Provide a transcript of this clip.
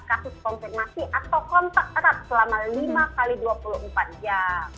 kasus konfirmasi atau kontak erat selama lima x dua puluh empat jam